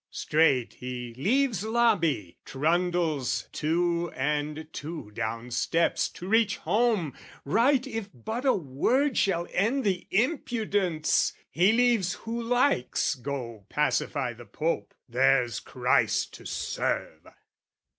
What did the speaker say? Straight he leaves lobby, trundles, two and two, Down steps, to reach home, write if but a word Shall end the impudence: he leaves who likes Go pacify the Pope: there's Christ to serve!